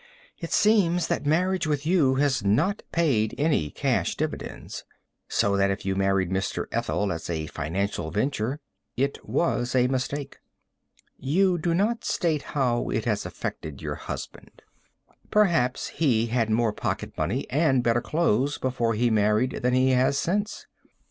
It seems that marriage with you has not paid any cash dividends. So that if you married Mr. Ethel as a financial venture, it was a mistake. You do not state how it has affected your husband. Perhaps he had more pocket money and better clothes before he married than he has since.